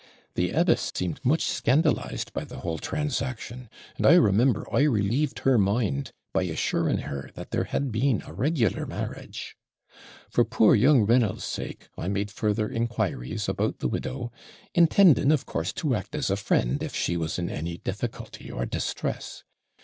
The abbess seemed much scandalised by the whole transaction; and I remember I relieved her mind by assuring her that there had been a regular marriage. For poor young Reynolds's sake, I made farther inquiries about the widow, intending, of course, to act as a friend, if she was in any difficulty or distress.